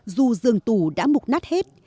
dù giường tù đã mục nát hết